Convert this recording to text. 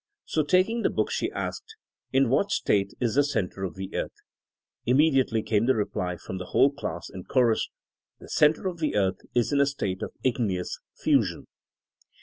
'' So taking the book she asked, In what state is the center of the eartht^' Immediately came the reply from the whole class in chorus, The center of the earth is in a state of igneous fusion.